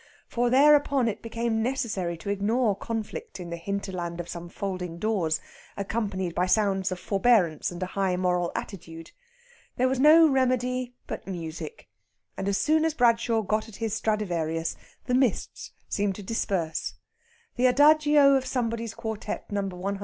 For thereupon it became necessary to ignore conflict in the hinterland of some folding doors, accompanied by sounds of forbearance and a high moral attitude. There was no remedy but music, and as soon as Bradshaw got at his Stradivarius the mists seemed to disperse. The adagio of Somebody's quartette No.